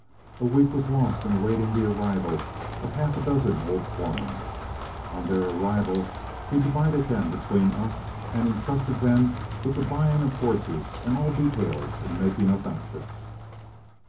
A week was lost in awaiting the arrival of half a dozen old foremen. On their arrival we divided them between us and intrusted them with the buying of horses and all details in making up outfits.